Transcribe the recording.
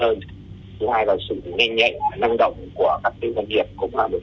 thứ hai là sự nhanh nhạy và năng động của các tư doanh nghiệp